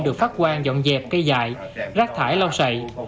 được phát quang dọn dẹp cây dại rác thải lau sậy